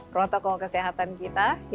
protokol kesehatan kita